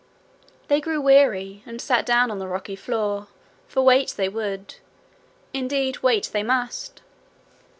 They grew weary, and sat down on the rocky floor, for wait they would indeed, wait they must.